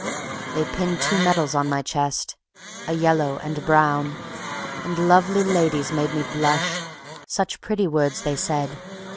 _ They pinned two medals on my chest, a yellow and a brown, And lovely ladies made me blush, such pretty words they said.